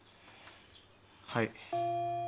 はい。